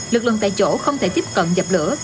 lực lượng tại chỗ không thể tiếp cận dập lửa